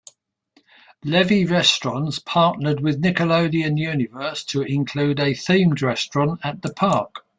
Levy Restaurants partnered with Nickelodeon Universe to include a themed restaurant at the park.